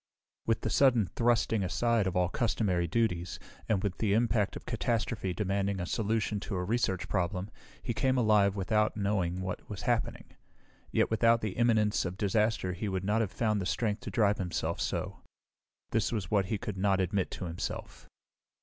With the sudden thrusting aside of all customary duties, and with the impact of catastrophe demanding a solution to a research problem, he came alive without knowing what was happening. Yet without the imminence of disaster he would not have found the strength to drive himself so. This was what he could not admit to himself.